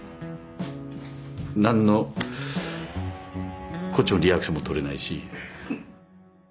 何のこっちもリアクションも取れないし。